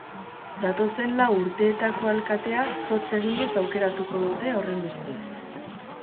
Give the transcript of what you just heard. Datozen lau urteetako alkatea zotz eginez aukeratuko dute, horrenbestez.